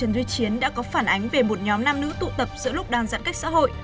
duy chiến đã có phản ánh về một nhóm nam nữ tụ tập giữa lúc đang giãn cách xã hội